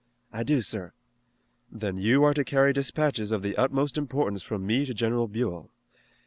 "I do, sir." "Then you are to carry dispatches of the utmost importance from me to General Buell.